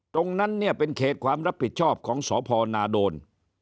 ตรงนั้นเนี่ยเป็นเขตความรับผิดชอบของสพนาโดน